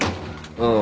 うん。